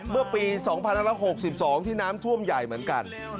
เมื่อปี๒๑๖๒ที่น้ำท่วมใหญ่เหมือนกัน